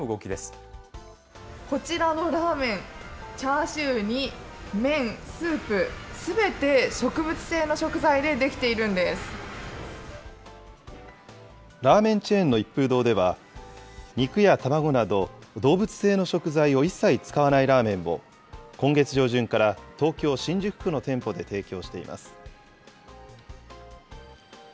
こちらのラーメン、チャーシューに麺、スープ、すべて植物性の食材で出来ているんでラーメンチェーンの一風堂では、肉や卵など動物性の食材を一切使わないラーメンを、今月上旬から東京・新宿区の店舗で提供しています。